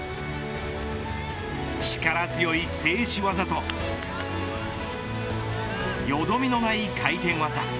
力強い静止技とよどみのない回転技。